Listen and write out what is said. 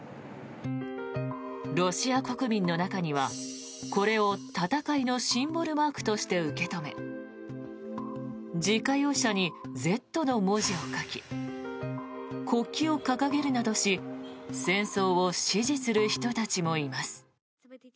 ロシア国民の中には、これを戦いのシンボルマークとして受け止め自家用車に「Ｚ」の文字を書き国旗を掲げるなどし戦争を支持する人たちもいます。